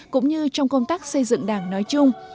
cũng như trong công tác xây dựng đảng nói chung